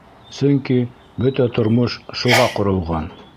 Сөнки бөтә тормош шуға ҡоролған.